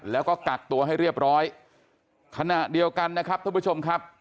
แล้วก็กักตัวให้เรียบร้อยขณะเดียวกันนะครับท่านผู้ชมครับ